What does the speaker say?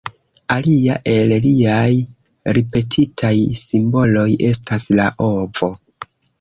Alia el liaj ripetitaj simboloj estas la ovo.